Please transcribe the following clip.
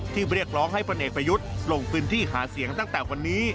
เรียกร้องให้พลเอกประยุทธ์ลงพื้นที่หาเสียงตั้งแต่วันนี้